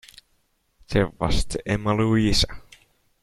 There was the Emma Louisa.